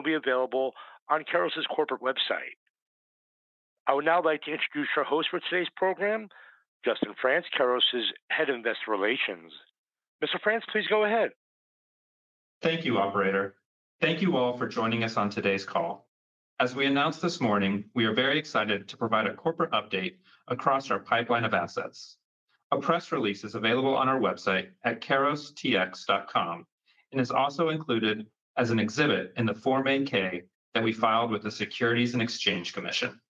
will be available on Keros' corporate website. I would now like to introduce our host for today's program, Justin Frantz, Keros' Head of Investor Relations. Mr. Frantz, please go ahead. Thank you, operator. Thank you all for joining us on today's call. As we announced this morning, we are very excited to provide a corporate update across our pipeline of assets. A press release is available on our website at kerostx.com, and is also included as an exhibit in the Form 8-K that we filed with the Securities and Exchange Commission.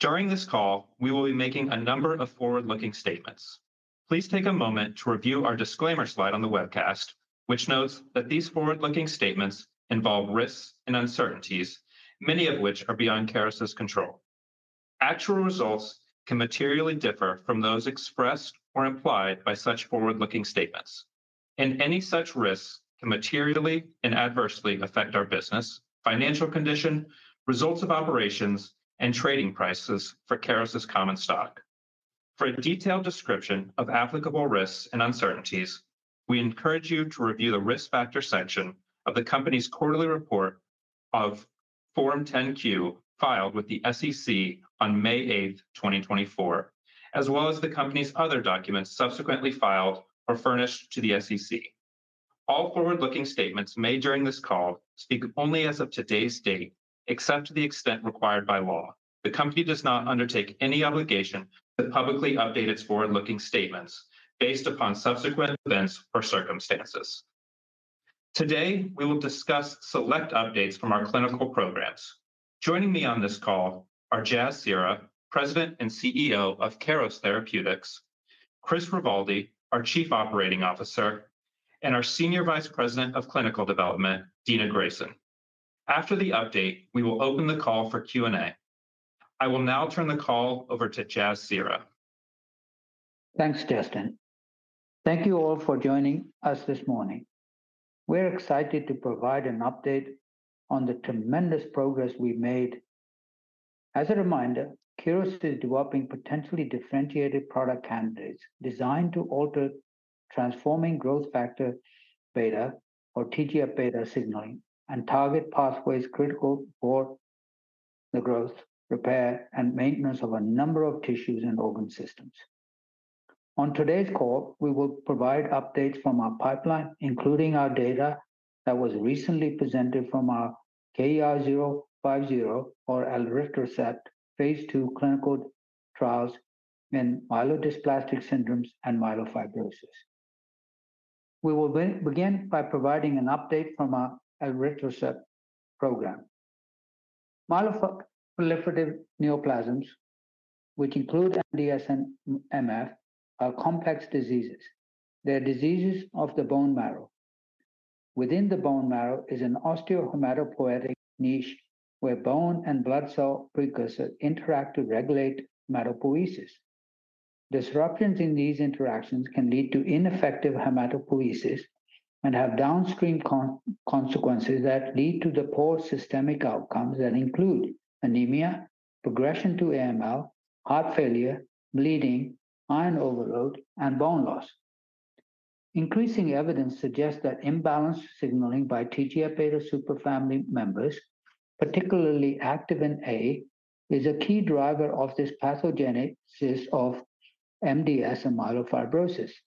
During this call, we will be making a number of forward-looking statements. Please take a moment to review our disclaimer slide on the webcast, which notes that these forward-looking statements involve risks and uncertainties, many of which are beyond Keros' control. Actual results can materially differ from those expressed or implied by such forward-looking statements, and any such risks can materially and adversely affect our business, financial condition, results of operations, and trading prices for Keros' common stock. For a detailed description of applicable risks and uncertainties, we encourage you to review the Risk Factor section of the company's quarterly report of Form 10-Q, filed with the SEC on May 8th, 2024, as well as the company's other documents subsequently filed or furnished to the SEC. All forward-looking statements made during this call speak only as of today's date, except to the extent required by law. The company does not undertake any obligation to publicly update its forward-looking statements based upon subsequent events or circumstances. Today, we will discuss select updates from our clinical programs. Joining me on this call are Jasbir Seehra, President and CEO of Keros Therapeutics; Chris Rallis, our Chief Operating Officer; and our Senior Vice President of Clinical Development, Dena Grayson. After the update, we will open the call for Q&A. I will now turn the call over to Jasbir Seehra. Thanks, Justin. Thank you all for joining us this morning. We're excited to provide an update on the tremendous progress we've made. As a reminder, Keros is developing potentially differentiated product candidates designed to alter transforming growth factor-beta, or TGF-beta signaling, and target pathways critical for the growth, repair, and maintenance of a number of tissues and organ systems. On today's call, we will provide updates from our pipeline, including our data that was recently presented from our KER-050, or elritercept, phase 2 clinical trials in myelodysplastic syndromes and myelofibrosis. We will then begin by providing an update from our elritercept program. Myeloproliferative neoplasms, which include MDS and MF, are complex diseases. They are diseases of the bone marrow. Within the bone marrow is an osteohematopoietic niche, where bone and blood cell precursors interact to regulate hematopoiesis. Disruptions in these interactions can lead to ineffective hematopoiesis and have downstream consequences that lead to the poor systemic outcomes that include anemia, progression to AML, heart failure, bleeding, iron overload, and bone loss. Increasing evidence suggests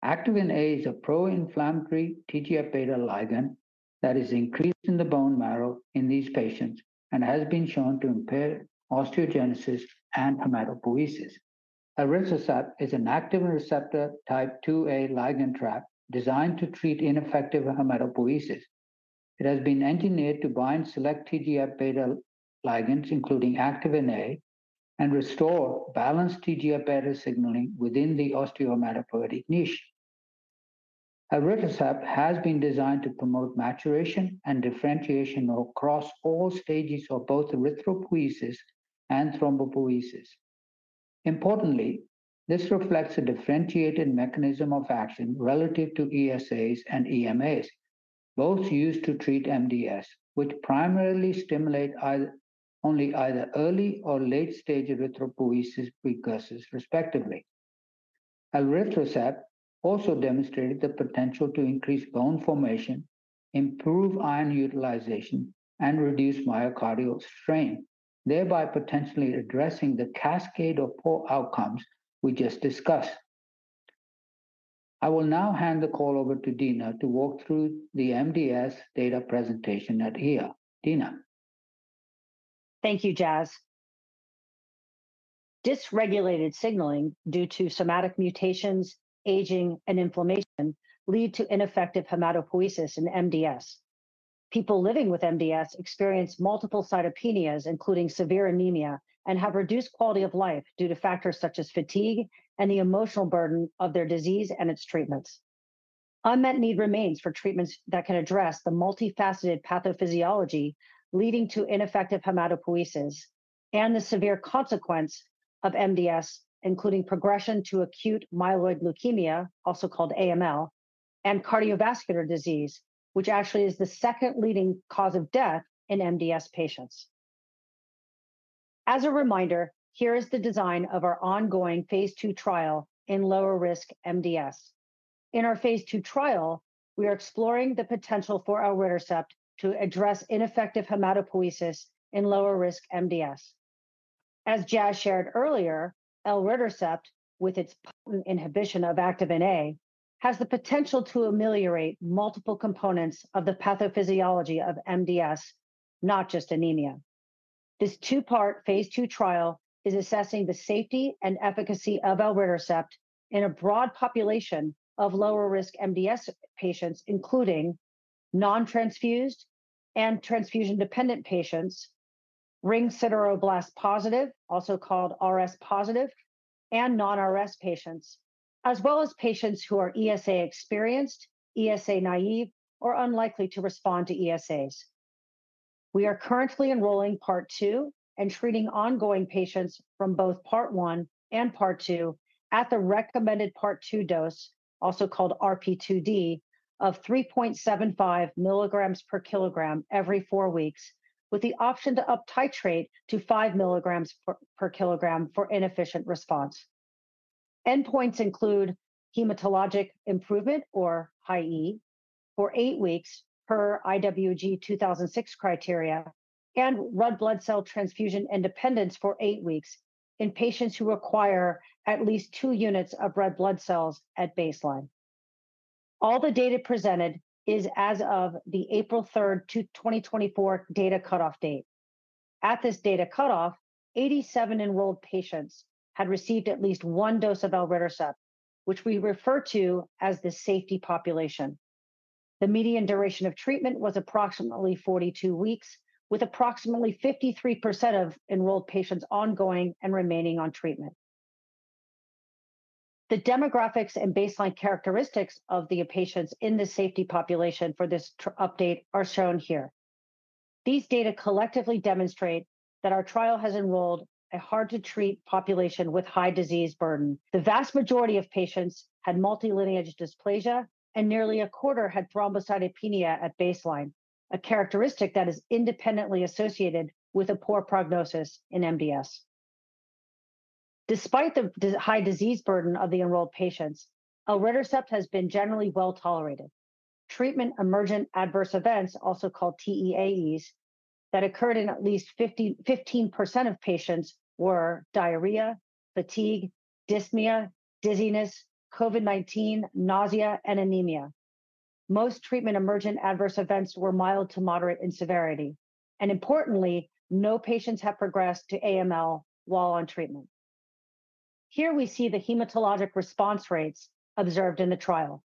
that imbalanced signaling by TGF-beta superfamily members, particularly activin A, is a key driver of this pathogenesis of MDS and myelofibrosis. Activin A is a pro-inflammatory TGF-beta ligand that is increased in the bone marrow in these patients and has been shown to impair osteogenesis and hematopoiesis. Elritercept is an activin receptor type IIA ligand trap designed to treat ineffective hematopoiesis. It has been engineered to bind select TGF-beta ligands, including activin A, and restore balanced TGF-beta signaling within the osteohematopoietic niche. Elritercept has been designed to promote maturation and differentiation across all stages of both erythropoiesis and thrombopoiesis. Importantly, this reflects a differentiated mechanism of action relative to ESAs and EMAs, both used to treat MDS, which primarily stimulate only either early or late-stage erythropoiesis precursors, respectively. Elritercept also demonstrated the potential to increase bone formation, improve iron utilization, and reduce myocardial strain, thereby potentially addressing the cascade of poor outcomes we just discussed. I will now hand the call over to Dena to walk through the MDS data presentation at EHA. Dena? Thank you, Jas. Dysregulated signaling due to somatic mutations, aging, and inflammation lead to ineffective hematopoiesis in MDS. People living with MDS experience multiple cytopenias, including severe anemia, and have reduced quality of life due to factors such as fatigue and the emotional burden of their disease and its treatments. Unmet need remains for treatments that can address the multifaceted pathophysiology leading to ineffective hematopoiesis and the severe consequence of MDS, including progression to acute myeloid leukemia, also called AML, and cardiovascular disease, which actually is the second leading cause of death in MDS patients.... As a reminder, here is the design of our ongoing phase II trial in lower risk MDS. In our phase II trial, we are exploring the potential for elritercept to address ineffective hematopoiesis in lower risk MDS. As Jas shared earlier, elritercept, with its potent inhibition of activin A, has the potential to ameliorate multiple components of the pathophysiology of MDS, not just anemia. This two-part phase II trial is assessing the safety and efficacy of elritercept in a broad population of lower risk MDS patients, including non-transfused and transfusion-dependent patients, ring sideroblasts positive, also called RS positive, and non-RS patients, as well as patients who are ESA experienced, ESA naive, or unlikely to respond to ESAs. We are currently enrolling Part II and treating ongoing patients from both Part I and Part II at the recommended Part II dose, also called RP2D, of 3.75 milligrams per kilogram every four weeks, with the option to uptitrate to 5 milligrams per kilogram for inefficient response. Endpoints include hematologic improvement, or HI-E, for eight weeks per IWG 2006 criteria, and red blood cell transfusion independence for eight weeks in patients who require at least two units of red blood cells at baseline. All the data presented is as of the April third, 2024 data cutoff date. At this data cutoff, 87 enrolled patients had received at least one dose of elritercept, which we refer to as the safety population. The median duration of treatment was approximately 42 weeks, with approximately 53% of enrolled patients ongoing and remaining on treatment. The demographics and baseline characteristics of the patients in the safety population for this trial update are shown here. These data collectively demonstrate that our trial has enrolled a hard-to-treat population with high disease burden. The vast majority of patients had multilineage dysplasia, and nearly a quarter had thrombocytopenia at baseline, a characteristic that is independently associated with a poor prognosis in MDS. Despite the high disease burden of the enrolled patients, elritercept has been generally well-tolerated. Treatment emergent adverse events, also called TEAEs, that occurred in at least 15% of patients were diarrhea, fatigue, dyspnea, dizziness, COVID-19, nausea, and anemia. Most treatment emergent adverse events were mild to moderate in severity, and importantly, no patients have progressed to AML while on treatment. Here, we see the hematologic response rates observed in the trial.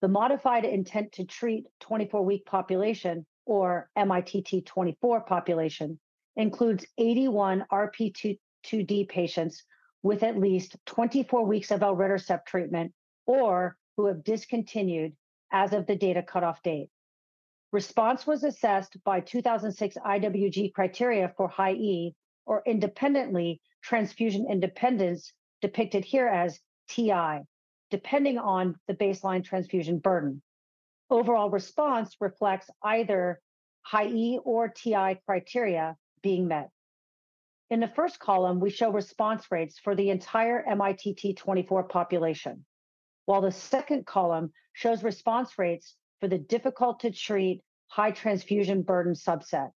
The modified intent-to-treat 24-week population, or mITT-24 population, includes 81 RP2-24 patients with at least 24 weeks of elritercept treatment or who have discontinued as of the data cutoff date. Response was assessed by 2006 IWG criteria for HI-E or independently transfusion independence, depicted here as TI, depending on the baseline transfusion burden. Overall response reflects either HI-E or TI criteria being met. In the first column, we show response rates for the entire mITT-24 population, while the second column shows response rates for the difficult-to-treat, high transfusion burden subset.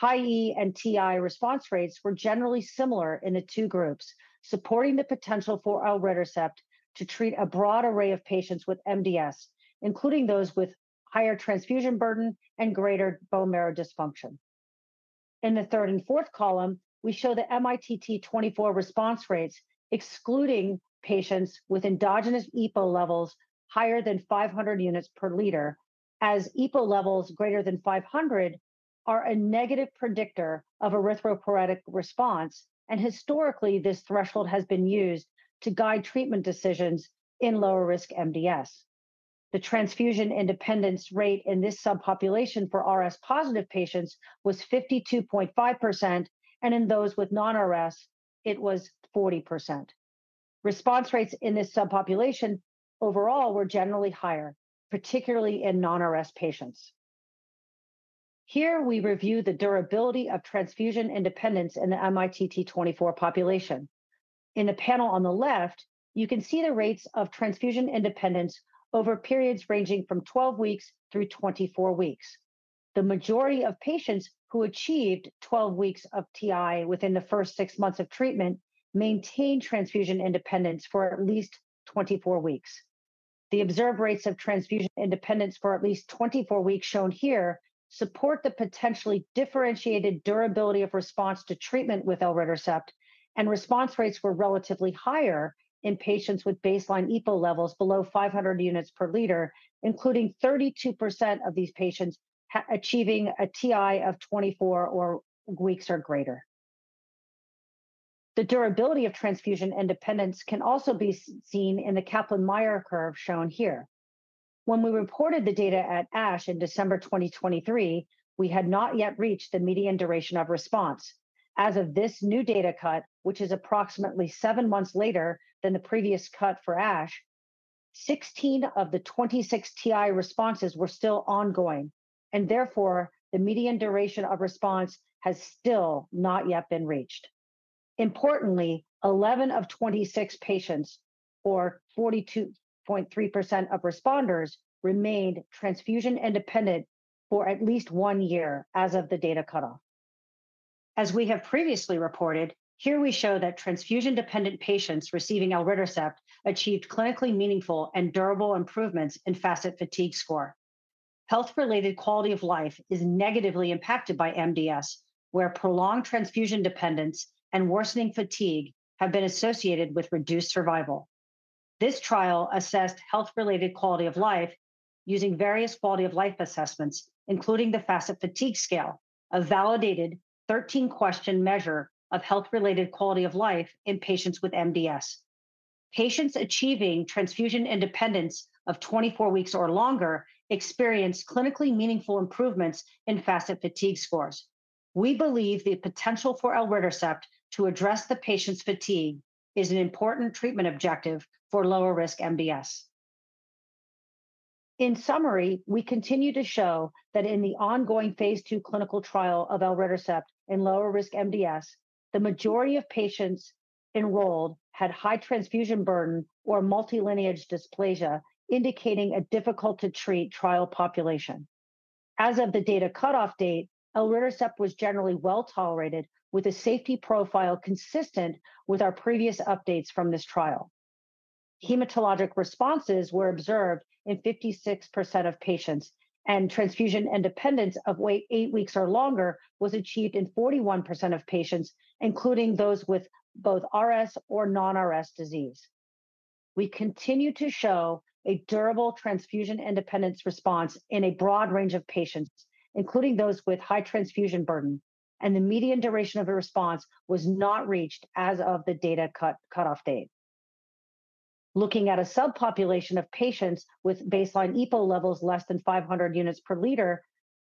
HI-E and TI response rates were generally similar in the two groups, supporting the potential for elritercept to treat a broad array of patients with MDS, including those with higher transfusion burden and greater bone marrow dysfunction. In the third and fourth column, we show the mITT-24 response rates, excluding patients with endogenous EPO levels higher than 500 units per liter, as EPO levels greater than 500 are a negative predictor of erythropoietic response, and historically, this threshold has been used to guide treatment decisions in lower risk MDS. The transfusion independence rate in this subpopulation for RS-positive patients was 52.5%, and in those with non-RS, it was 40%. Response rates in this subpopulation overall were generally higher, particularly in non-RS patients. Here, we review the durability of transfusion independence in the mITT-24 population. In the panel on the left, you can see the rates of transfusion independence over periods ranging from 12 weeks through 24 weeks. The majority of patients who achieved 12 weeks of TI within the first 6 months of treatment maintained transfusion independence for at least 24 weeks. The observed rates of transfusion independence for at least 24 weeks, shown here, support the potentially differentiated durability of response to treatment with elritercept, and response rates were relatively higher in patients with baseline EPO levels below 500 units per liter, including 32% of these patients achieving a TI of 24 weeks or greater. The durability of transfusion independence can also be seen in the Kaplan-Meier curve shown here. When we reported the data at ASH in December 2023, we had not yet reached the median duration of response. As of this new data cut, which is approximately seven months later than the previous cut for ASH-... 16 of the 26 TI responses were still ongoing, and therefore, the median duration of response has still not yet been reached. Importantly, 11 of 26 patients, or 42.3% of responders, remained transfusion independent for at least one year as of the data cutoff. As we have previously reported, here we show that transfusion-dependent patients receiving elritercept achieved clinically meaningful and durable improvements in FACIT fatigue score. Health-related quality of life is negatively impacted by MDS, where prolonged transfusion dependence and worsening fatigue have been associated with reduced survival. This trial assessed health-related quality of life using various quality of life assessments, including the FACIT Fatigue Scale, a validated 13-question measure of health-related quality of life in patients with MDS. Patients achieving transfusion independence of 24 weeks or longer experienced clinically meaningful improvements in FACIT fatigue scores. We believe the potential for elritercept to address the patient's fatigue is an important treatment objective for lower-risk MDS. In summary, we continue to show that in the ongoing phase II clinical trial of elritercept in lower-risk MDS, the majority of patients enrolled had high transfusion burden or multilineage dysplasia, indicating a difficult-to-treat trial population. As of the data cutoff date, elritercept was generally well-tolerated, with a safety profile consistent with our previous updates from this trial. Hematologic responses were observed in 56% of patients, and transfusion independence of eight weeks or longer was achieved in 41% of patients, including those with both RS or non-RS disease. We continue to show a durable transfusion independence response in a broad range of patients, including those with high transfusion burden, and the median duration of the response was not reached as of the data cutoff date. Looking at a subpopulation of patients with baseline EPO levels less than 500 units per liter,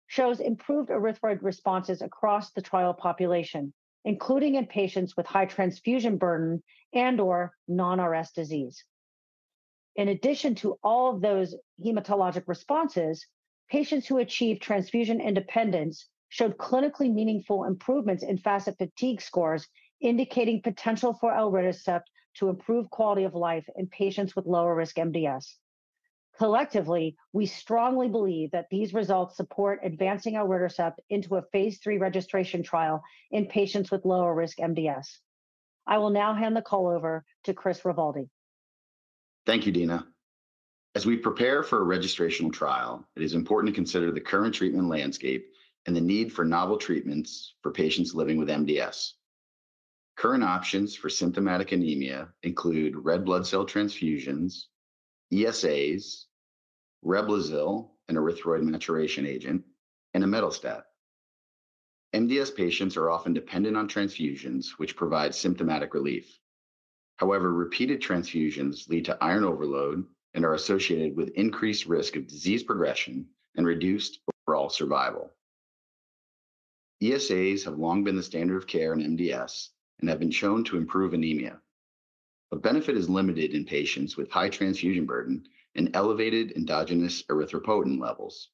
shows improved erythroid responses across the trial population, including in patients with high transfusion burden and/or non-RS disease. In addition to all of those hematologic responses, patients who achieved transfusion independence showed clinically meaningful improvements in FACIT-Fatigue scores, indicating potential for elritercept to improve quality of life in patients with lower-risk MDS. Collectively, we strongly believe that these results support advancing elritercept into a phase III registration trial in patients with lower-risk MDS. I will now hand the call over to Chris Rallis. Thank you, Dena. As we prepare for a registrational trial, it is important to consider the current treatment landscape and the need for novel treatments for patients living with MDS. Current options for symptomatic anemia include red blood cell transfusions, ESAs, Reblozyl, an erythroid maturation agent, and Imetelstat. MDS patients are often dependent on transfusions, which provide symptomatic relief. However, repeated transfusions lead to iron overload and are associated with increased risk of disease progression and reduced overall survival. ESAs have long been the standard of care in MDS and have been shown to improve anemia, but benefit is limited in patients with high transfusion burden and elevated endogenous erythropoietin levels.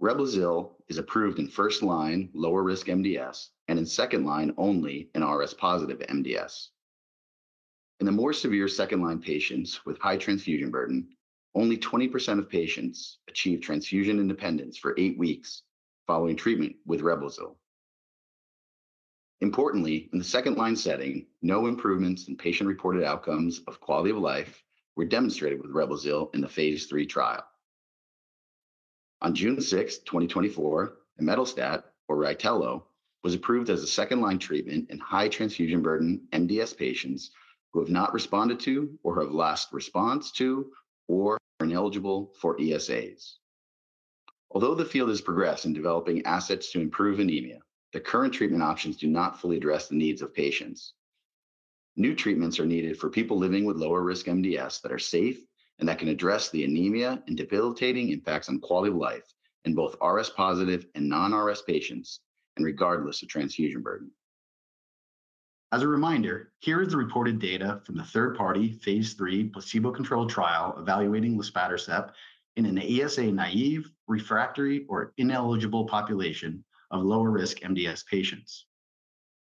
Reblozyl is approved in first-line lower-risk MDS and in second-line only in RS-positive MDS. In the more severe second-line patients with high transfusion burden, only 20% of patients achieve transfusion independence for eight weeks following treatment with Reblozyl. Importantly, in the second-line setting, no improvements in patient-reported outcomes of quality of life were demonstrated with Reblozyl in the phase III trial. On June sixth, 2024, Imetelstat, or uncertain, was approved as a second-line treatment in high transfusion burden MDS patients who have not responded to or have last response to or are ineligible for ESAs. Although the field has progressed in developing assets to improve anemia, the current treatment options do not fully address the needs of patients. New treatments are needed for people living with lower-risk MDS that are safe and that can address the anemia and debilitating impacts on quality of life in both RS-positive and non-RS patients, and regardless of transfusion burden. As a reminder, here is the reported data from the third-party phase III placebo-controlled trial evaluating luspatercept in an ESA-naive, refractory, or ineligible population of lower-risk MDS patients.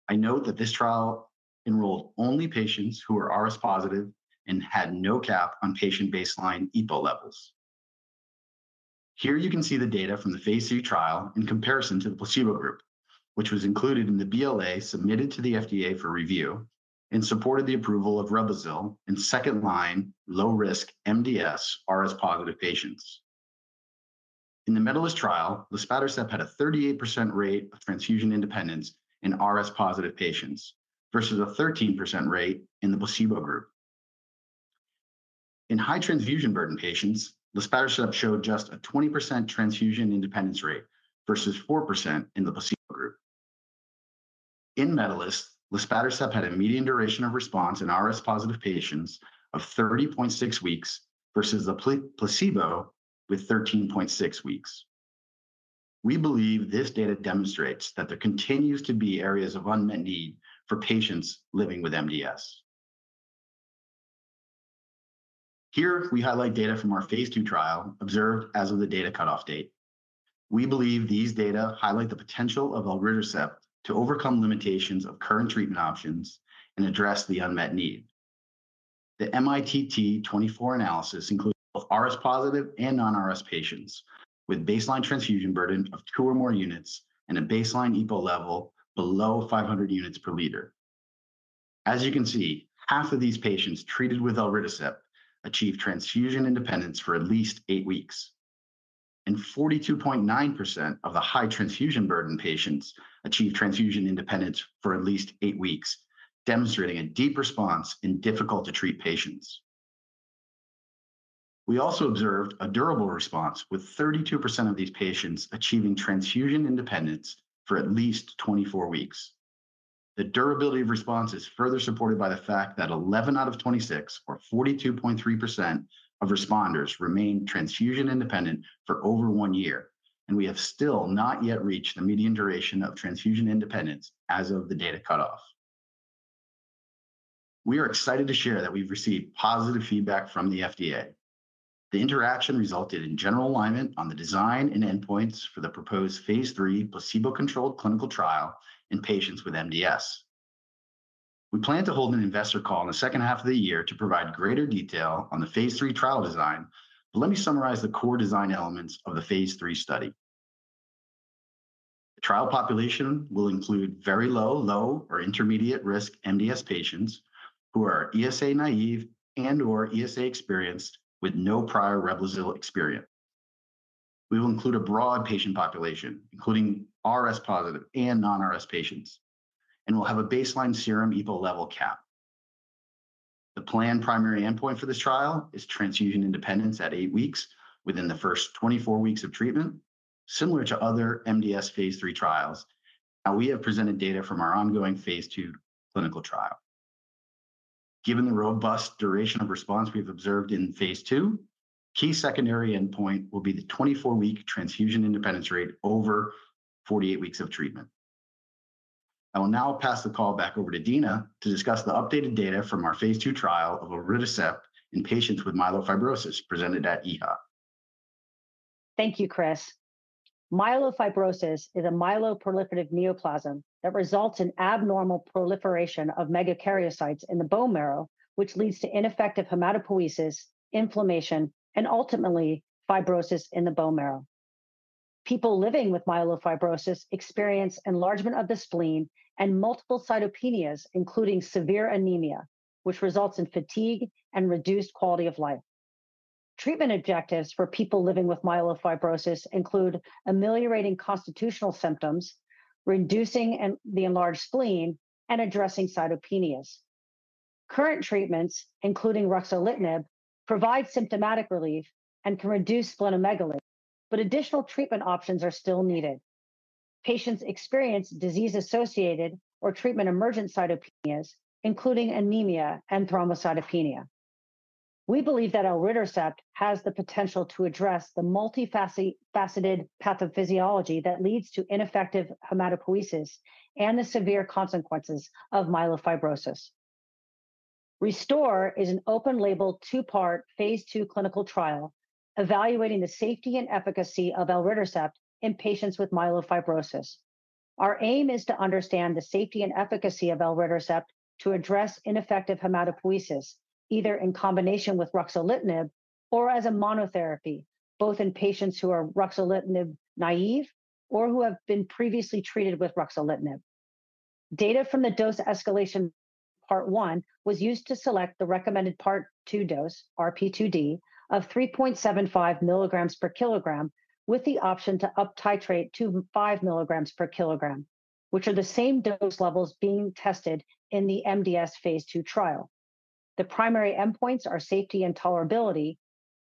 I note that this trial enrolled only patients who are RS positive and had no cap on patient baseline EPO levels. Here you can see the data from the phase II trial in comparison to the placebo group, which was included in the BLA submitted to the FDA for review and supported the approval of Reblozyl in second-line low-risk MDS RS-positive patients. In the MEDALIST trial, luspatercept had a 38% rate of transfusion independence in RS-positive patients versus a 13% rate in the placebo group. In high transfusion burden patients, luspatercept showed just a 20% transfusion independence rate versus 4% in the placebo group. In MEDALIST, luspatercept had a median duration of response in RS-positive patients of 30.6 weeks versus the placebo with 13.6 weeks. We believe this data demonstrates that there continues to be areas of unmet need for patients living with MDS. Here, we highlight data from our phase 2 trial observed as of the data cutoff date. We believe these data highlight the potential of elritercept to overcome limitations of current treatment options and address the unmet need. The mITT 24 analysis includes both RS-positive and non-RS patients, with baseline transfusion burden of two or more units and a baseline EPO level below 500 units per liter. As you can see, half of these patients treated with elritercept achieved transfusion independence for at least 8 weeks, and 42.9% of the high transfusion burden patients achieved transfusion independence for at least 8 weeks, demonstrating a deep response in difficult-to-treat patients. We also observed a durable response, with 32% of these patients achieving transfusion independence for at least 24 weeks. The durability of response is further supported by the fact that 11 out of 26, or 42.3%, of responders remained transfusion independent for over 1 year, and we have still not yet reached the median duration of transfusion independence as of the data cutoff. We are excited to share that we've received positive feedback from the FDA. The interaction resulted in general alignment on the design and endpoints for the proposed phase 3 placebo-controlled clinical trial in patients with MDS. We plan to hold an investor call in the second half of the year to provide greater detail on the phase 3 trial design, but let me summarize the core design elements of the phase 3 study. The trial population will include very low, low, or intermediate risk MDS patients who are ESA-naive and/or ESA-experienced with no prior Revlimid experience. We will include a broad patient population, including RS positive and non-RS patients, and we'll have a baseline serum EPO level cap. The planned primary endpoint for this trial is transfusion independence at 8 weeks within the first 24 weeks of treatment, similar to other MDS phase 3 trials. Now, we have presented data from our ongoing phase 2 clinical trial. Given the robust duration of response we've observed in phase 2, key secondary endpoint will be the 24-week transfusion independence rate over 48 weeks of treatment. I will now pass the call back over to Dena to discuss the updated data from our phase 2 trial of elritercept in patients with myelofibrosis presented at EHA. Thank you, Chris. Myelofibrosis is a myeloproliferative neoplasm that results in abnormal proliferation of megakaryocytes in the bone marrow, which leads to ineffective hematopoiesis, inflammation, and ultimately, fibrosis in the bone marrow. People living with myelofibrosis experience enlargement of the spleen and multiple cytopenias, including severe anemia, which results in fatigue and reduced quality of life. Treatment objectives for people living with myelofibrosis include ameliorating constitutional symptoms, reducing the enlarged spleen, and addressing cytopenias. Current treatments, including ruxolitinib, provide symptomatic relief and can reduce splenomegaly, but additional treatment options are still needed. Patients experience disease-associated or treatment-emergent cytopenias, including anemia and thrombocytopenia. We believe that elritercept has the potential to address the multifaceted pathophysiology that leads to ineffective hematopoiesis and the severe consequences of myelofibrosis. RESTORE is an open-label, 2-part, phase 2 clinical trial evaluating the safety and efficacy of elritercept in patients with myelofibrosis. Our aim is to understand the safety and efficacy of elritercept to address ineffective hematopoiesis, either in combination with ruxolitinib or as a monotherapy, both in patients who are ruxolitinib-naive or who have been previously treated with ruxolitinib. Data from the dose escalation part one was used to select the recommended part two dose, RP2D, of 3.75 milligrams per kilogram, with the option to uptitrate to 5 milligrams per kilogram, which are the same dose levels being tested in the MDS phase two trial. The primary endpoints are safety and tolerability,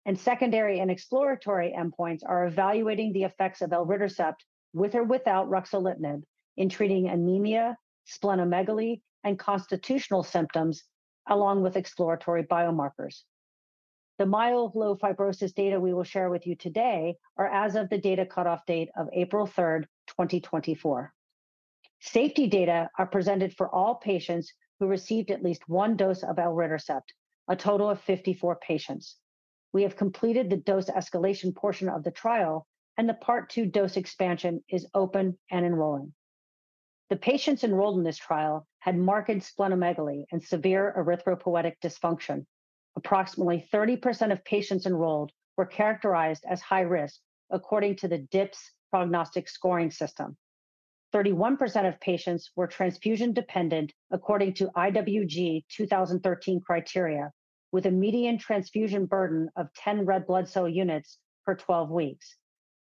and secondary and exploratory endpoints are evaluating the effects of elritercept, with or without ruxolitinib, in treating anemia, splenomegaly, and constitutional symptoms, along with exploratory biomarkers. The myelofibrosis data we will share with you today are as of the data cutoff date of April third, 2024. Safety data are presented for all patients who received at least one dose of elritercept, a total of 54 patients. We have completed the dose escalation portion of the trial, and the part two dose expansion is open and enrolling. The patients enrolled in this trial had marked splenomegaly and severe erythropoietic dysfunction. Approximately 30% of patients enrolled were characterized as high risk according to the DIPSS prognostic scoring system. 31% of patients were transfusion-dependent according to IWG 2013 criteria, with a median transfusion burden of 10 red blood cell units for 12 weeks,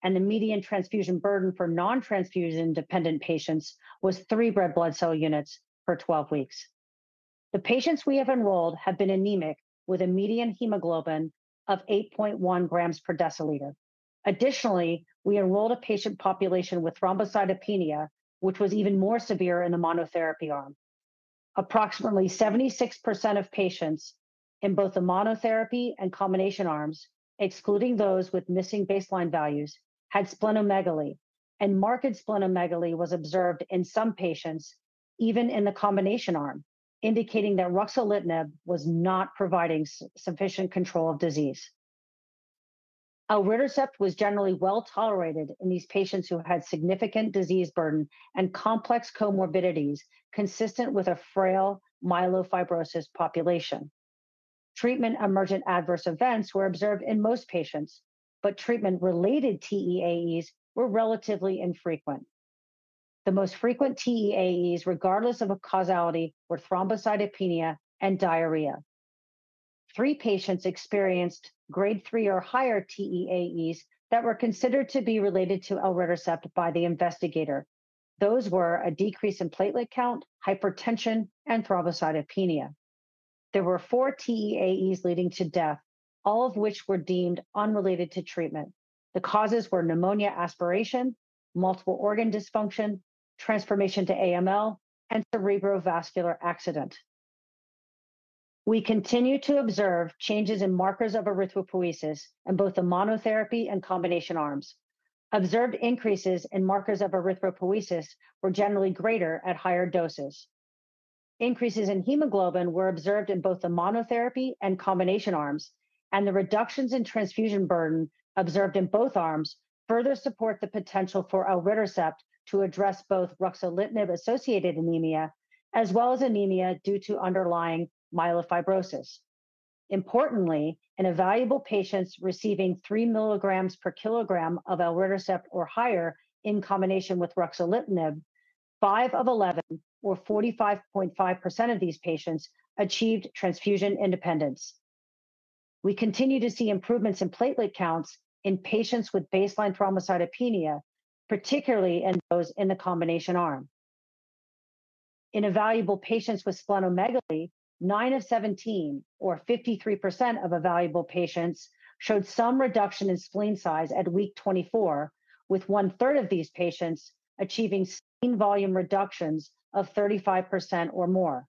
and the median transfusion burden for non-transfusion dependent patients was 3 red blood cell units for 12 weeks. The patients we have enrolled have been anemic, with a median hemoglobin of 8.1 grams per deciliter. Additionally, we enrolled a patient population with thrombocytopenia, which was even more severe in the monotherapy arm. Approximately 76% of patients in both the monotherapy and combination arms, excluding those with missing baseline values, had splenomegaly, and marked splenomegaly was observed in some patients, even in the combination arm, indicating that ruxolitinib was not providing sufficient control of disease. Elritercept was generally well-tolerated in these patients who had significant disease burden and complex comorbidities, consistent with a frail myelofibrosis population. Treatment emergent adverse events were observed in most patients, but treatment-related TEAEs were relatively infrequent. The most frequent TEAEs, regardless of causality, were thrombocytopenia and diarrhea. Three patients experienced grade three or higher TEAEs that were considered to be related to elritercept by the investigator. Those were a decrease in platelet count, hypertension, and thrombocytopenia. There were four TEAEs leading to death, all of which were deemed unrelated to treatment. The causes were pneumonia aspiration, multiple organ dysfunction, transformation to AML, and cerebrovascular accident. We continue to observe changes in markers of erythropoiesis in both the monotherapy and combination arms. Observed increases in markers of erythropoiesis were generally greater at higher doses. Increases in hemoglobin were observed in both the monotherapy and combination arms, and the reductions in transfusion burden observed in both arms further support the potential for elritercept to address both ruxolitinib-associated anemia, as well as anemia due to underlying myelofibrosis. Importantly, in evaluable patients receiving three milligrams per kilogram of elritercept or higher in combination with ruxolitinib, five of 11, or 45.5% of these patients, achieved transfusion independence. We continue to see improvements in platelet counts in patients with baseline thrombocytopenia, particularly in those in the combination arm. In evaluable patients with splenomegaly, 9 of 17, or 53% of evaluable patients, showed some reduction in spleen size at week 24, with one-third of these patients achieving spleen volume reductions of 35% or more.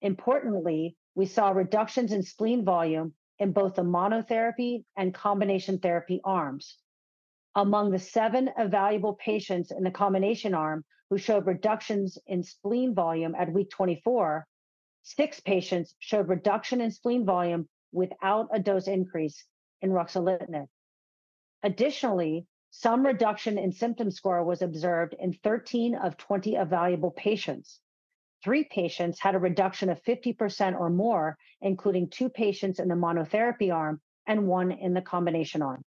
Importantly, we saw reductions in spleen volume in both the monotherapy and combination therapy arms. Among the seven evaluable patients in the combination arm who showed reductions in spleen volume at week 24,six patients showed reduction in spleen volume without a dose increase in ruxolitinib. Additionally, some reduction in symptom score was observed in 13 of 20 evaluable patients. Three patients had a reduction of 50% or more, including two patients in the monotherapy arm and one in the combination arm.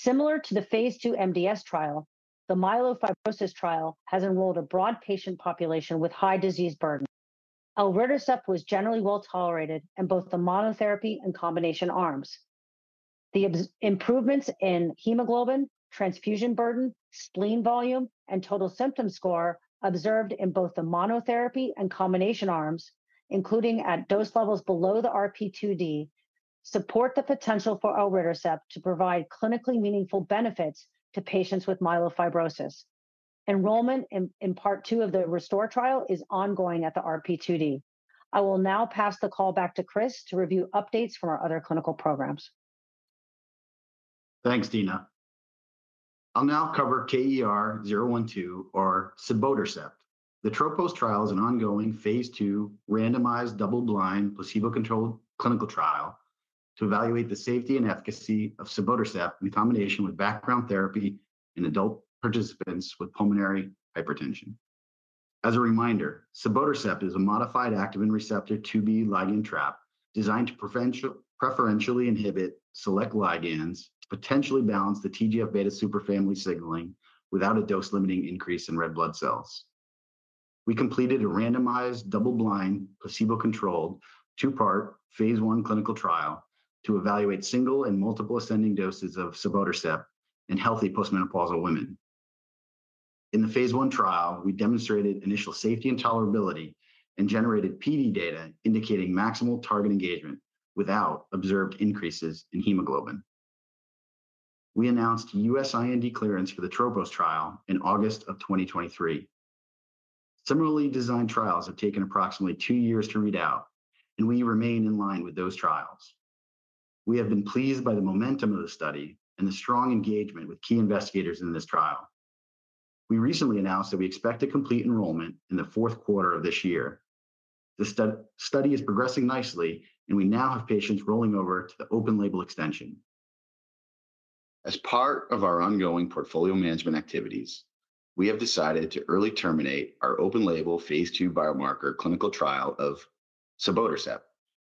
Similar to the phase 2 MDS trial, the myelofibrosis trial has enrolled a broad patient population with high disease burden. Elritercept was generally well-tolerated in both the monotherapy and combination arms. The observed improvements in hemoglobin, transfusion burden, spleen volume, and total symptom score observed in both the monotherapy and combination arms, including at dose levels below the RP2D, support the potential for elritercept to provide clinically meaningful benefits to patients with myelofibrosis. Enrollment in Part Two of the RESTORE trial is ongoing at the RP2D. I will now pass the call back to Chris to review updates from our other clinical programs. Thanks, Dena. I'll now cover KER-012, or cibotercept. The TROPOS trial is an ongoing phase 2 randomized, double-blind, placebo-controlled clinical trial to evaluate the safety and efficacy of cibotercept in combination with background therapy in adult participants with pulmonary hypertension. As a reminder, cibotercept is a modified activin receptor IIB ligand trap designed to preferentially inhibit select ligands to potentially balance the TGF-beta superfamily signaling without a dose-limiting increase in red blood cells. We completed a randomized, double-blind, placebo-controlled, two-part phase 1 clinical trial to evaluate single and multiple ascending doses of cibotercept in healthy postmenopausal women. In the phase 1 trial, we demonstrated initial safety and tolerability and generated PD data indicating maximal target engagement without observed increases in hemoglobin. We announced IND clearance for the TROPOS trial in August 2023. Similarly, design trials have taken approximately two years to read out, and we remain in line with those trials. We have been pleased by the momentum of the study and the strong engagement with key investigators in this trial. We recently announced that we expect to complete enrollment in the fourth quarter of this year. The study is progressing nicely, and we now have patients rolling over to the open-label extension. As part of our ongoing portfolio management activities, we have decided to early terminate our open-label phase two biomarker clinical trial of cibotercept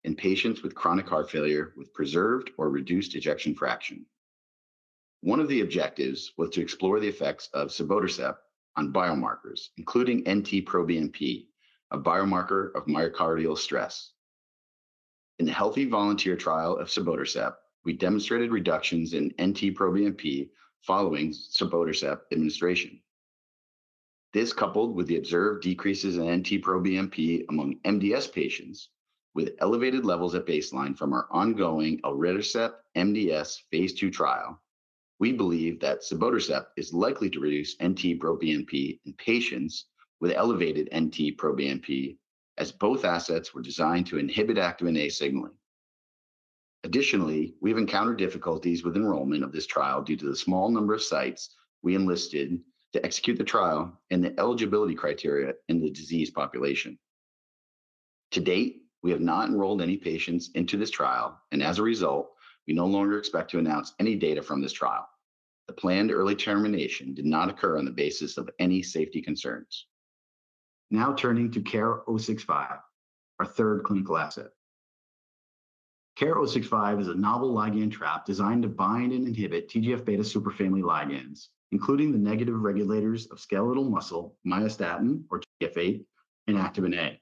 in patients with chronic heart failure with preserved or reduced ejection fraction. One of the objectives was to explore the effects of cibotercept on biomarkers, including NT-proBNP, a biomarker of myocardial stress. In a healthy volunteer trial of cibotercept, we demonstrated reductions in NT-proBNP following cibotercept administration. This, coupled with the observed decreases in NT-proBNP among MDS patients with elevated levels at baseline from our ongoing elritercept MDS phase 2 trial. We believe that cibotercept is likely to reduce NT-proBNP in patients with elevated NT-proBNP, as both assets were designed to inhibit activin A signaling. Additionally, we've encountered difficulties with enrollment of this trial due to the small number of sites we enlisted to execute the trial and the eligibility criteria in the disease population. To date, we have not enrolled any patients into this trial, and as a result, we no longer expect to announce any data from this trial. The planned early termination did not occur on the basis of any safety concerns. Now turning to KER-065, our third clinical asset. KER-065 is a novel ligand trap designed to bind and inhibit TGF-β superfamily ligands, including the negative regulators of skeletal muscle, myostatin or TGF-β and activin A.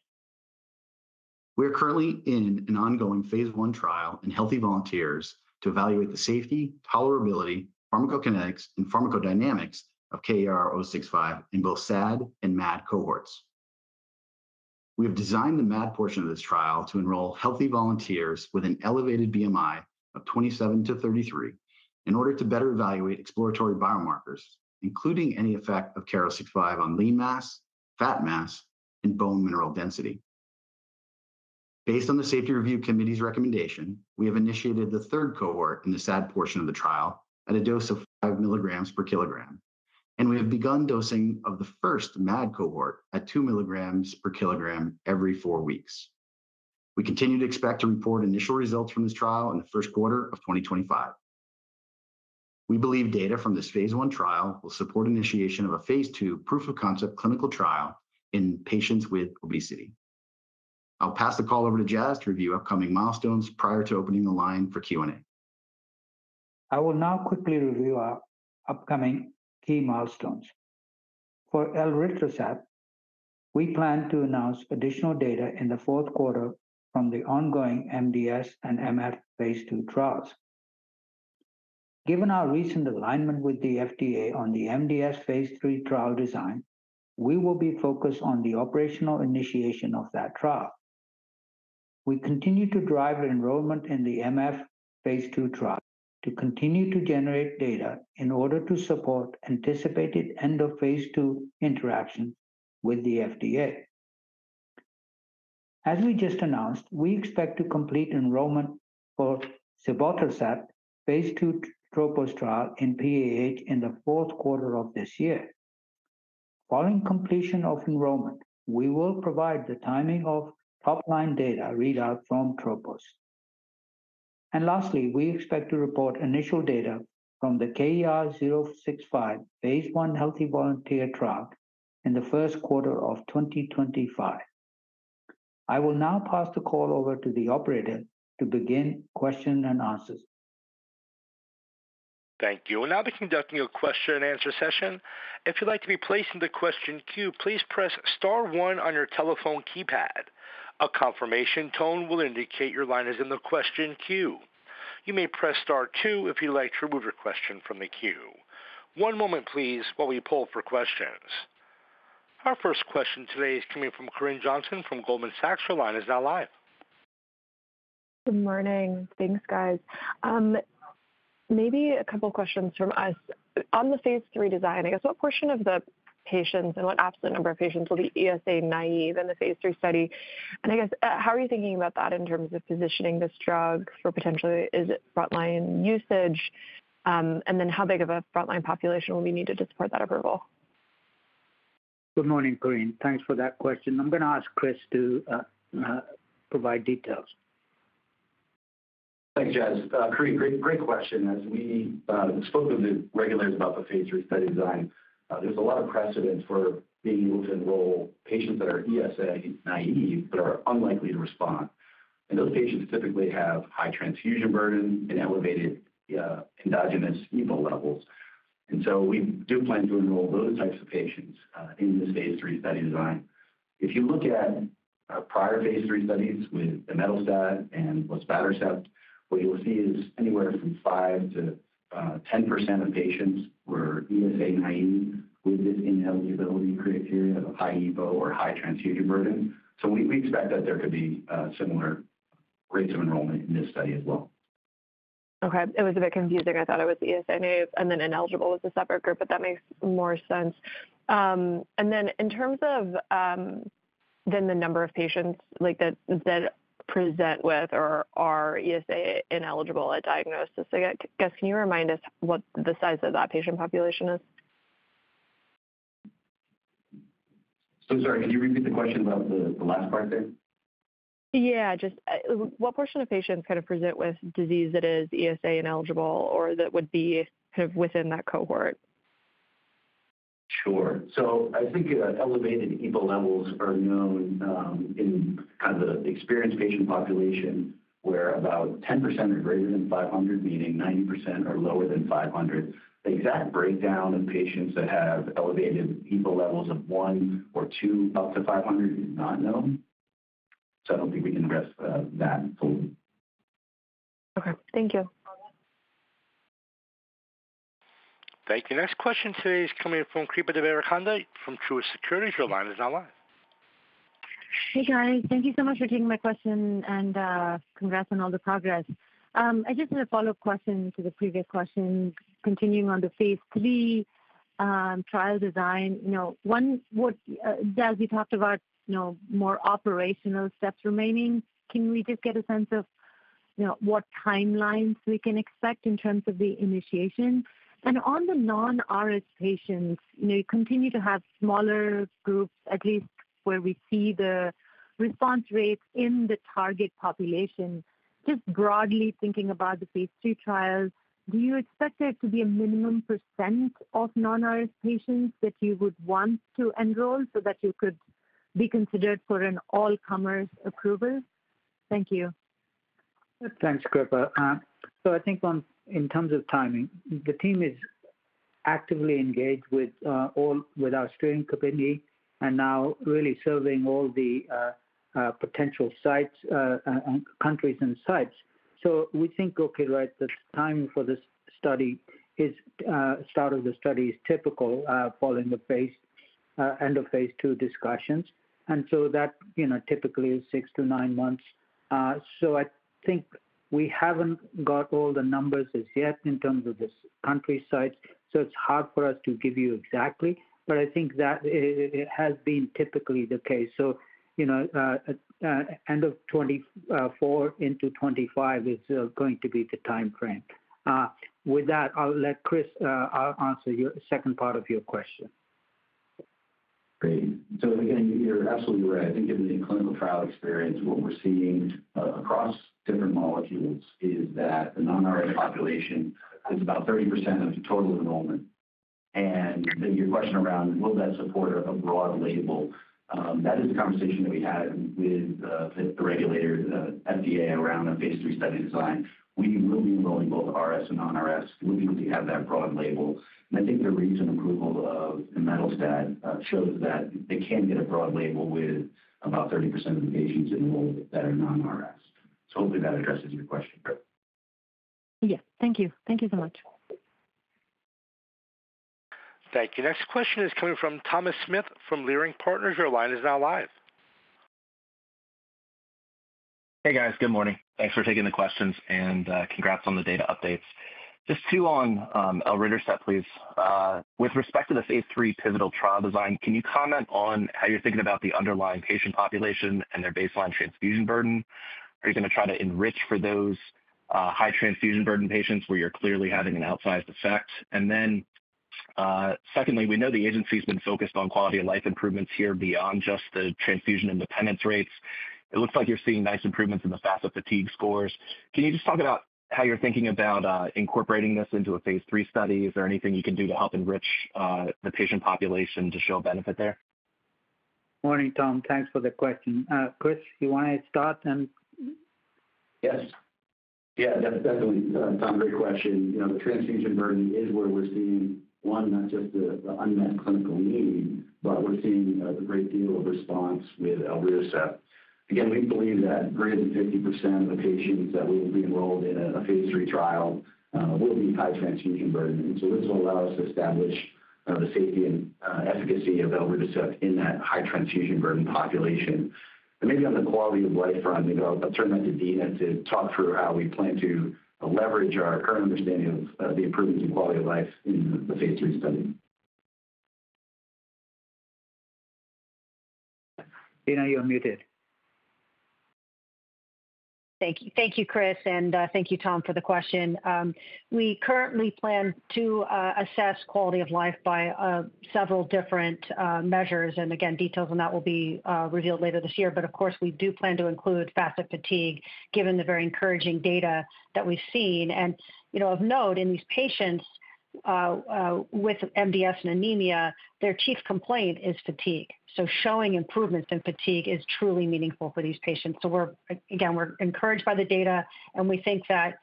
We're currently in an ongoing phase I trial in healthy volunteers to evaluate the safety, tolerability, pharmacokinetics, and pharmacodynamics of KER-065 in both SAD and MAD cohorts. We have designed the MAD portion of this trial to enroll healthy volunteers with an elevated BMI of 27-33 in order to better evaluate exploratory biomarkers, including any effect of KER-065 on lean mass, fat mass, and bone mineral density. Based on the Safety Review Committee's recommendation, we have initiated the third cohort in the SAD portion of the trial at a dose of 5 milligrams per kilogram, and we have begun dosing of the first MAD cohort at 2 milligrams per kilogram every four weeks. We continue to expect to report initial results from this trial in the first quarter of 2025. We believe data from this phase I trial will support initiation of a phase II proof of concept clinical trial in patients with obesity. I'll pass the call over to Jas to review upcoming milestones prior to opening the line for Q&A. I will now quickly review our upcoming key milestones. For elritercept, we plan to announce additional data in the fourth quarter from the ongoing MDS and MF phase II trials. Given our recent alignment with the FDA on the MDS phase III trial design, we will be focused on the operational initiation of that trial. We continue to drive enrollment in the MF phase II trial to continue to generate data in order to support anticipated end of phase II interaction with the FDA. As we just announced, we expect to complete enrollment for cibotercept phase II TROPOS trial in PAH in the fourth quarter of this year. Following completion of enrollment, we will provide the timing of top-line data readout from TROPOS. And lastly, we expect to report initial data from the KER-065 phase I healthy volunteer trial in the first quarter of 2025. I will now pass the call over to the operator to begin question and answers. Thank you. We'll now be conducting a question and answer session. If you'd like to be placed in the question queue, please press star one on your telephone keypad. A confirmation tone will indicate your line is in the question queue. You may press star two if you'd like to remove your question from the queue. One moment, please, while we poll for questions. Our first question today is coming from Corinne Johnson from Goldman Sachs. Your line is now live. Good morning. Thanks, guys. Maybe a couple of questions from us. On the phase III design, I guess what portion of the patients and what absolute number of patients will be ESA naive in the phase III study? And I guess, how are you thinking about that in terms of positioning this drug for potentially, is it frontline usage? And then how big of a frontline population will we need to support that approval? Good morning, Corinne. Thanks for that question. I'm gonna ask Chris to provide details. Thanks, Jas. Corinne, great, great question. As we spoke with the regulators about the phase III study design, there's a lot of precedent for being able to enroll patients that are ESA naive but are unlikely to respond. And those patients typically have high transfusion burden and elevated endogenous EPO levels. And so we do plan to enroll those types of patients in this phase III study design. If you look at prior phase III studies with the Imetelstat and sotatercept, what you will see is anywhere from 5%-10% of patients were ESA naive with this ineligibility criteria of a high EPO or high transfusion burden. So we expect that there could be similar rates of enrollment in this study as well. Okay. It was a bit confusing. I thought it was ESA naive, and then ineligible was a separate group, but that makes more sense. And then in terms of, then the number of patients like that, that present with or are ESA ineligible at diagnosis, I guess, can you remind us what the size of that patient population is? So sorry, could you repeat the question about the last part there? Yeah. Just, what portion of patients kind of present with disease that is ESA ineligible, or that would be kind of within that cohort? Sure. So I think, elevated EPO levels are known, in kind of the experienced patient population, where about 10% are greater than 500, meaning 90% are lower than 500. The exact breakdown of patients that have elevated EPO levels of one or two up to 500 is not known, so I don't think we can address that fully. Okay. Thank you. Thank you. Next question today is coming in from Kripa Devarakonda from Truist Securities. Your line is now live.... Hey, guys. Thank you so much for taking my question, and, congrats on all the progress. I just have a follow-up question to the previous question, continuing on the phase 3 trial design. You know, one, what, uncertain, you talked about, you know, more operational steps remaining. Can we just get a sense of, you know, what timelines we can expect in terms of the initiation? And on the non-RS patients, you know, you continue to have smaller groups, at least where we see the response rates in the target population. Just broadly thinking about the phase 2 trials, do you expect there to be a minimum % of non-RS patients that you would want to enroll so that you could be considered for an all-comers approval? Thank you. Thanks, Kripa. So I think on, in terms of timing, the team is actively engaged with all, with our steering committee, and now really serving all the potential sites, and countries and sites. So we think the timing for this study is, start of the study is typical, following the end of phase two discussions. And so that, you know, typically is 6-9 months. So I think we haven't got all the numbers as yet in terms of this country site, so it's hard for us to give you exactly, but I think that it has been typically the case. So, you know, end of 2024 into 2025 is going to be the timeframe. With that, I'll let Chris answer your second part of your question. Great. So again, you're absolutely right. I think in the clinical trial experience, what we're seeing, across different molecules is that the non-RS population is about 30% of the total enrollment. And then your question around will that support a broad label? That is the conversation that we had with, the regulators, FDA, around a phase 3 study design. We will be enrolling both RS and non-RS. We're looking to have that broad label. And I think the recent approval of Imetelstat, shows that they can get a broad label with about 30% of the patients enrolled that are non-RS. So hopefully that addresses your question, Kripa. Yeah. Thank you. Thank you so much. Thank you. Next question is coming from Thomas Smith from Leerink Partners. Your line is now live. Hey, guys. Good morning. Thanks for taking the questions, and congrats on the data updates. Just two on elritercept, please. With respect to the phase three pivotal trial design, can you comment on how you're thinking about the underlying patient population and their baseline transfusion burden? Are you gonna try to enrich for those high transfusion burden patients, where you're clearly having an outsized effect? And then, secondly, we know the agency's been focused on quality of life improvements here beyond just the transfusion independence rates. It looks like you're seeing nice improvements in the FACIT-Fatigue scores. Can you just talk about how you're thinking about incorporating this into a phase three study? Is there anything you can do to help enrich the patient population to show benefit there? Morning, Tom. Thanks for the question. Chris, you want to start and- Yes. Yeah, definitely, Tom, great question. You know, the transfusion burden is where we're seeing, one, not just the unmet clinical need, but we're seeing a great deal of response with elritercept. Again, we believe that greater than 50% of the patients that will be enrolled in a phase 3 trial will be high transfusion burden. So this will allow us to establish the safety and efficacy of elritercept in that high transfusion burden population. And maybe on the quality-of-life front, maybe I'll turn it back to Dina to talk through how we plan to leverage our current understanding of the improvements in quality of life in the phase 3 study. Dena, you're muted. Thank you. Thank you, Chris, and thank you, Tom, for the question. We currently plan to assess quality of life by several different measures, and again, details on that will be revealed later this year. But, of course, we do plan to include FACIT-Fatigue, given the very encouraging data that we've seen. And you know, of note, in these patients with MDS and anemia, their chief complaint is fatigue. So showing improvements in fatigue is truly meaningful for these patients. So we're, again, we're encouraged by the data, and we think that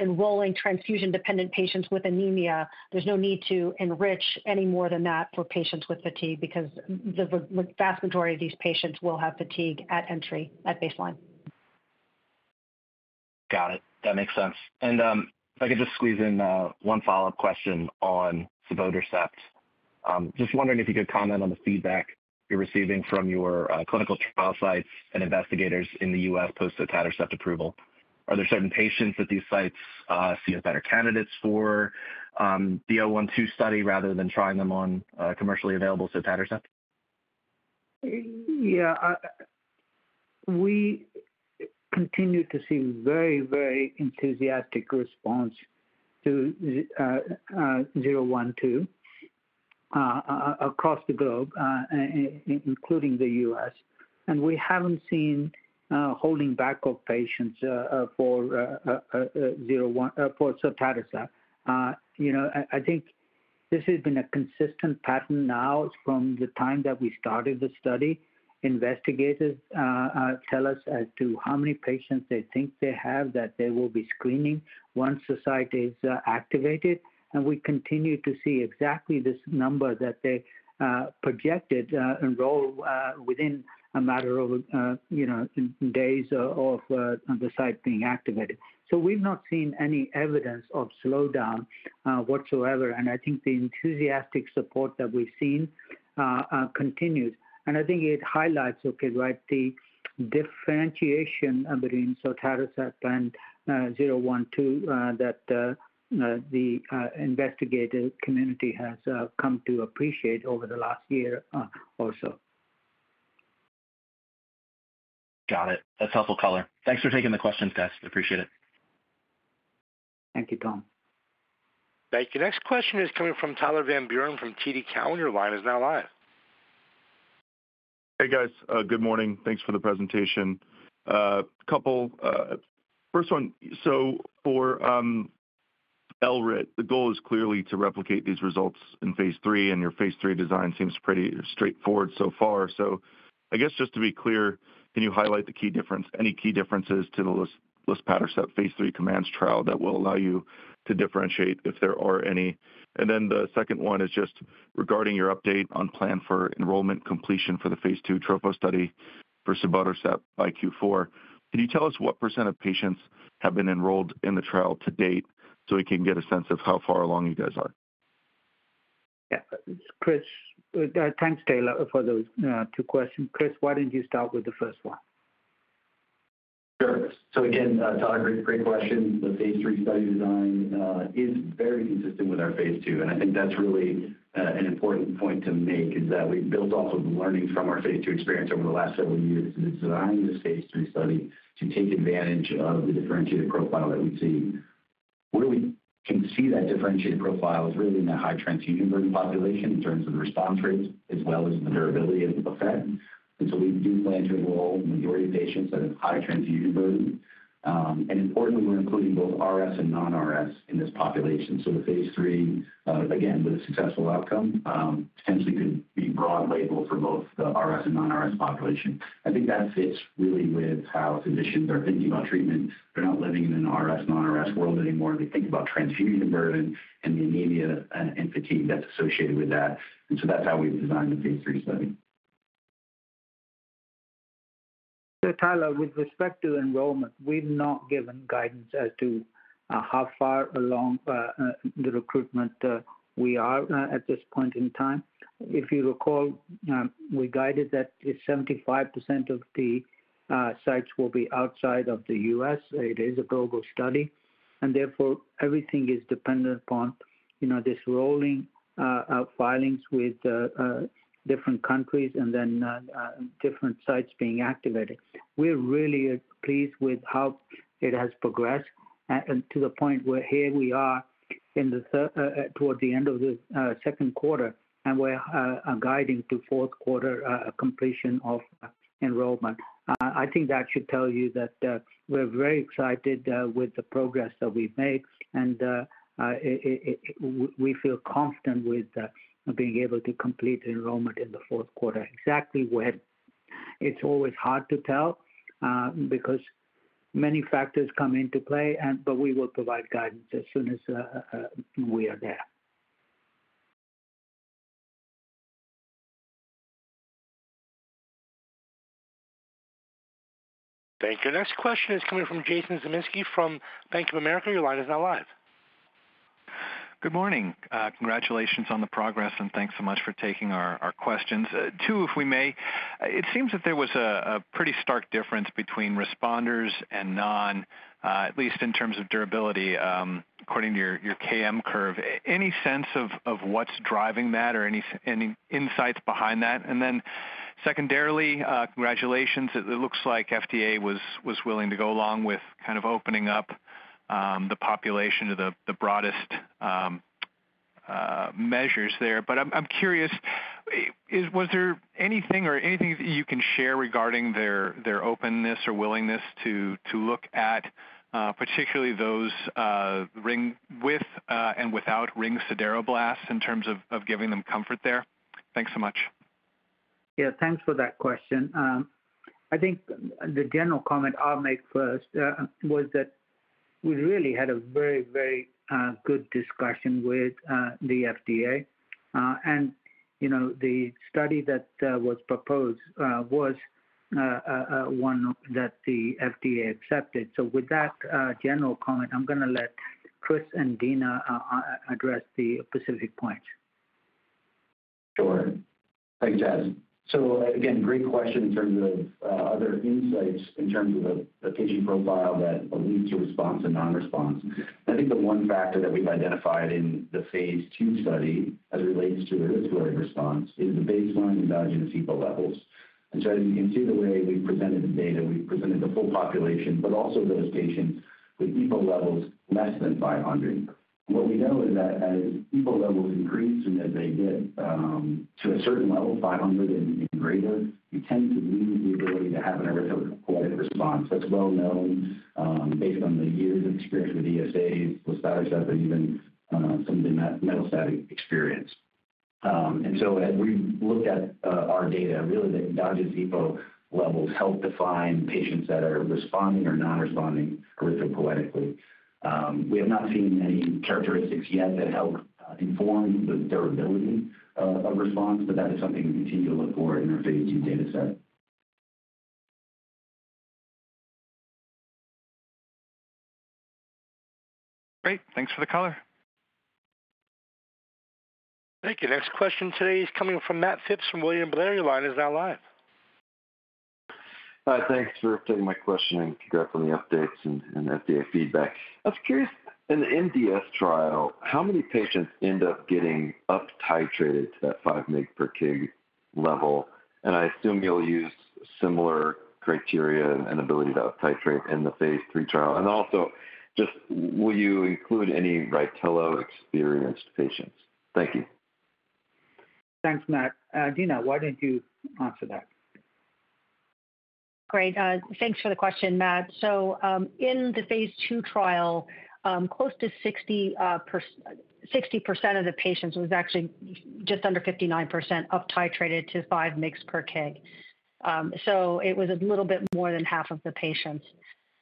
enrolling transfusion-dependent patients with anemia, there's no need to enrich any more than that for patients with fatigue, because the vast majority of these patients will have fatigue at entry, at baseline. Got it. That makes sense. And, if I could just squeeze in, one follow-up question on cibotercept. Just wondering if you could comment on the feedback you're receiving from your clinical trial sites and investigators in the US post-sotatercept approval? Are there certain patients that these sites see as better candidates for the 012 study rather than trying them on commercially available sotatercept? Yeah, we continue to see very, very enthusiastic response to the KER-012 across the globe, including the US, and we haven't seen holding back of patients for sotatercept. You know, I think this has been a consistent pattern now from the time that we started the study. Investigators tell us as to how many patients they think they have, that they will be screening once the site is activated, and we continue to see exactly this number that they projected enroll within a matter of, you know, days of the site being activated. So we've not seen any evidence of slowdown whatsoever, and I think the enthusiastic support that we've seen continues. I think it highlights, okay, right, the differentiation between sotatercept and zero one two that the investigator community has come to appreciate over the last year or so.... Got it. That's helpful color. Thanks for taking the questions, guys. Appreciate it. Thank you, Tom. Thank you. Next question is coming from Tyler Van Buren from TD Cowen. Your line is now live. Hey, guys. Good morning. Thanks for the presentation. Couple, first one, so for elritercept, the goal is clearly to replicate these results in phase 3, and your phase 3 design seems pretty straightforward so far. So I guess just to be clear, can you highlight the key difference, any key differences to the luspatercept phase 3 COMMANDS trial that will allow you to differentiate, if there are any? And then the second one is just regarding your update on plan for enrollment completion for the phase 2 TROPOS study for luspatercept by Q4. Can you tell us what % of patients have been enrolled in the trial to date so we can get a sense of how far along you guys are? Yeah. Chris, thanks, Taylor, for those two questions. Chris, why don't you start with the first one? Sure. So again, Tyler, great, great question. The phase 3 study design is very consistent with our phase 2. And I think that's really an important point to make, is that we've built off of the learning from our phase 2 experience over the last several years in designing this phase 3 study to take advantage of the differentiated profile that we've seen. Where we can see that differentiated profile is really in the high transfusion burden population in terms of the response rates as well as the durability of the effect. And so we do plan to enroll majority of patients that have high transfusion burden. And importantly, we're including both RS and non-RS in this population. So the phase 3, again, with a successful outcome, potentially could be broad label for both the RS and non-RS population. I think that fits really with how physicians are thinking about treatment. They're not living in an RS, non-RS world anymore. They think about transfusion burden and the anemia and fatigue that's associated with that, and so that's how we've designed the phase 3 study. So Tyler, with respect to enrollment, we've not given guidance as to how far along the recruitment we are at this point in time. If you recall, we guided that it's 75% of the sites will be outside of the US. It is a global study, and therefore, everything is dependent upon, you know, this rolling filings with different countries and then different sites being activated. We're really pleased with how it has progressed, and to the point where here we are toward the end of the second quarter, and we're guiding to fourth quarter completion of enrollment. I think that should tell you that we're very excited with the progress that we've made, and it, it, it... We feel confident with being able to complete the enrollment in the fourth quarter. Exactly when, it's always hard to tell, because many factors come into play and but we will provide guidance as soon as we are there. Thank you. Next question is coming from Jason Zemansky from Bank of America. Your line is now live. Good morning. Congratulations on the progress, and thanks so much for taking our questions. Two, if we may. It seems that there was a pretty stark difference between responders and non-responders, at least in terms of durability, according to your KM curve. Any sense of what's driving that or any insights behind that? And then secondarily, congratulations. It looks like FDA was willing to go along with kind of opening up the population to the broadest measures there. But I'm curious, was there anything that you can share regarding their openness or willingness to look at, particularly those with and without ring sideroblasts in terms of giving them comfort there? Thanks so much. Yeah. Thanks for that question. I think the general comment I'll make first was that we really had a very, very good discussion with the FDA. And, you know, the study that was proposed was one that the FDA accepted. So with that general comment, I'm gonna let Chris and Dina address the specific points. Sure. Thanks, Jason. So again, great question in terms of other insights, in terms of the patient profile that leads to response and non-response. I think the one factor that we've identified in the phase 2 study as it relates to erythropoietic response is the baseline in endogenous EPO levels. And so as you can see the way we've presented the data, we've presented the full population, but also those patients with EPO levels less than 500. What we know is that as EPO levels increase, and as they get to a certain level, 500 and greater, you tend to lose the ability to have an erythropoietic response. That's well known based on the years of experience with ESAs, luspatercept, and even some of the imetelstat experience. So as we looked at our data, really, the endogenous EPO levels help define patients that are responding or non-responding erythropoietically. We have not seen any characteristics yet that help inform the durability of response, but that is something we continue to look for in our phase 2 data set. Great. Thanks for the color. Thank you. Next question today is coming from Matt Phipps from William Blair. Your line is now live. Thanks for taking my question, and congrats on the updates and FDA feedback. I was curious, in the MDS trial, how many patients end up getting up titrated to that five mg per kg level? And I assume you'll use similar criteria and ability to titrate in the phase III trial? And also, just will you include any Rytelo-experienced patients? Thank you. Thanks, Matt. Dena, why don't you answer that? Great. Thanks for the question, Matt. So, in the phase 2 trial, close to 60%, sixty percent of the patients was actually just under 59% uptitrated to five mg per kg. So it was a little bit more than half of the patients.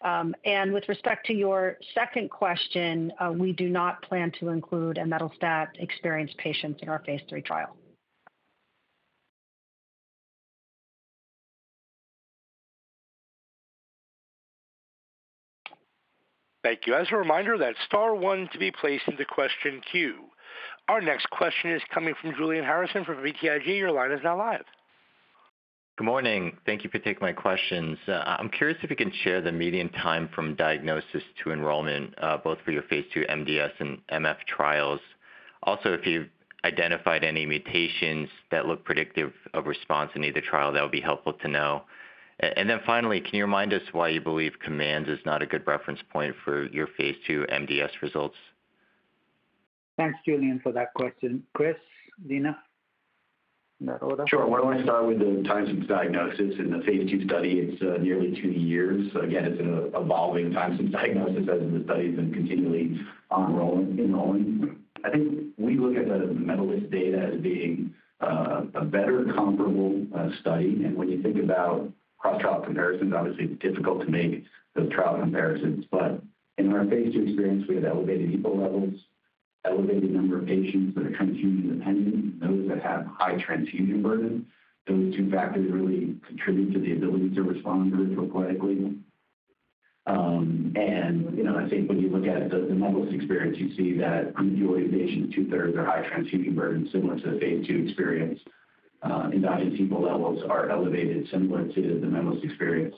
And with respect to your second question, we do not plan to include ESA-experienced patients in our phase 3 trial. Thank you. As a reminder, that's star one to be placed into question queue. Our next question is coming from Julian Harrison from BTIG. Your line is now live. Good morning. Thank you for taking my questions. I'm curious if you can share the median time from diagnosis to enrollment, both for your phase II MDS and MF trials. Also, if you've identified any mutations that look predictive of response in either trial, that would be helpful to know. And then finally, can you remind us why you believe COMMANDS is not a good reference point for your phase II MDS results? Thanks, Julian, for that question. Chris? Dina? In that order. Sure. Why don't I start with the time since diagnosis in the phase II study, it's nearly two years. Again, it's an evolving time since diagnosis as the study's been continually enrolling. I think we look at the Medalist data as being a better comparable study. And when you think about cross-trial comparisons, obviously it's difficult to make those trial comparisons. But in our phase II experience, we had elevated EPO levels, elevated number of patients that are transfusion-dependent, those that have high transfusion burden. Those two factors really contribute to the ability to respond therapeutically. And, you know, I think when you look at the Medalist experience, you see that the majority of patients, 2/3, are high transfusion burden, similar to the phase II experience. EPO levels are elevated, similar to the Medalist experience.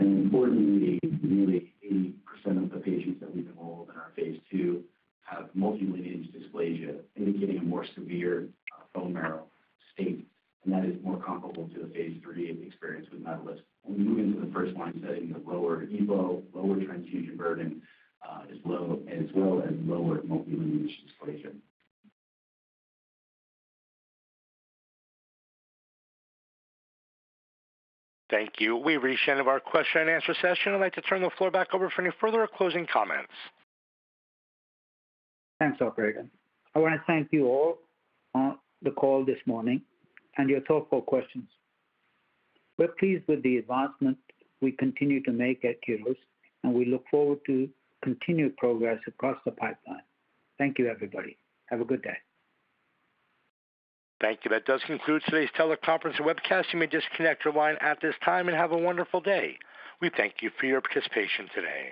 Importantly, nearly 80% of the patients that we've enrolled in our phase II have multilineage dysplasia, indicating a more severe bone marrow state, and that is more comparable to the phase III experience with MEDALIST. When we move into the first-line setting, the lower EPO, lower transfusion burden, as low, as well as lower multilineage dysplasia. Thank you. We've reached the end of our question and answer session. I'd like to turn the floor back over for any further closing comments. Thanks, operator. I want to thank you all on the call this morning and your thoughtful questions. We're pleased with the advancement we continue to make at Keros, and we look forward to continued progress across the pipeline. Thank you, everybody. Have a good day. Thank you. That does conclude today's teleconference and webcast. You may disconnect your line at this time and have a wonderful day. We thank you for your participation today.